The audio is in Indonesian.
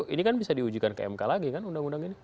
ini kan bisa diujikan ke mk lagi kan undang undang ini